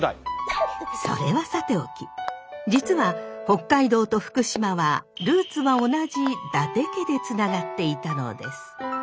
それはさておき実は北海道と福島はルーツは同じ伊達家でつながっていたのです。